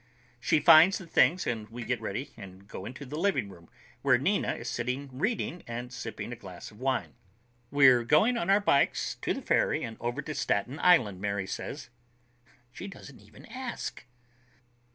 She finds the things and we get ready and go into the living room, where Nina is sitting reading and sipping a glass of wine. "We're going on our bikes to the ferry and over to Staten Island," Mary says. She doesn't even ask.